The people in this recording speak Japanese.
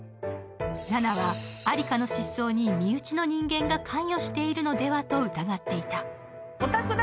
ナナはアリカの失踪に身内の人間が関与しているのではと疑っていた。